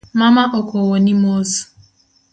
Mama okowoni mos.